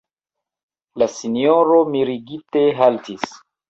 La sinjoro mirigite haltis.